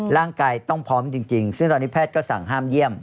ร่างกายต้องพร้อมจริงซึ่งตอนนี้แพทย์ก็สั่งห้ามเยี่ยม